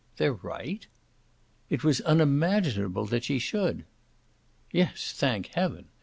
"They're right?" "It was unimaginable that she should." "Yes, thank heaven!